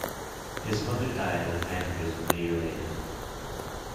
His mother died of an aneurysm a year later.